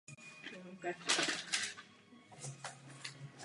Jejími zakladateli byla skupina Židů z Maďarska a Polska.